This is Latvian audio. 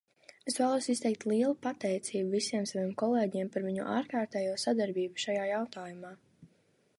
Es vēlos izteikt lielu pateicību visiem saviem kolēģiem par viņu ārkārtējo sadarbību šajā jautājumā.